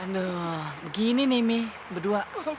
nah begini nih mi berdua